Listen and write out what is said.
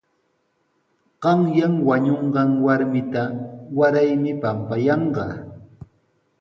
Qanyan wañunqan warmita waraymi pampayanqa.